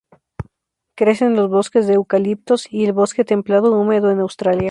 Crece en los bosques de eucaliptos y el bosque templado húmedo en Australia.